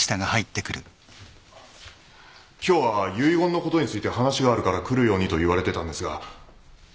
今日は遺言のことについて話があるから来るようにと言われてたんですが。